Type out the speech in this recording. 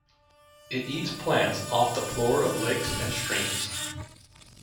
It eats plants off the floor of lakes and streams.